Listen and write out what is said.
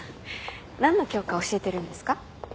何の教科教えてるんですか？